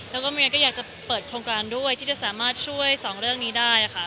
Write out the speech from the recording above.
แล้วก็เมียก็อยากจะเปิดโครงการด้วยที่จะสามารถช่วยสองเรื่องนี้ได้ค่ะ